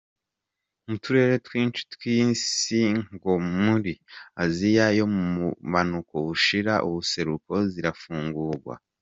Mu turere twinshi tw'isi nko muri Aziya yo mu bumanuko bushira ubuseruko, zirafungugwa.